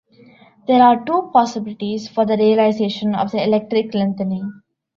There are two possibilities for the realisation of the electric lengthening.